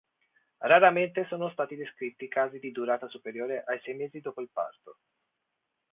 Raramente sono stati descritti casi di durata superiore ai sei mesi dopo il parto.